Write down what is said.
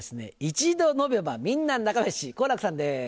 一度飲めばみんな仲良し好楽さんです。